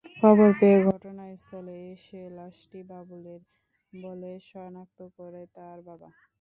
খবর পেয়ে ঘটনাস্থলে এসে লাশটি বাবুলের বলে শনাক্ত করেন তার বাবা।